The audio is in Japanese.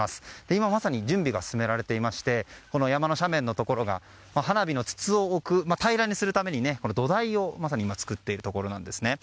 今まさに、準備が進められていまして山の斜面のところが花火の筒を置く平らにするために土台をまさに今作っているところなんですね。